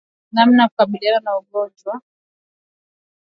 Namna ya kukabiliana na ugonjwa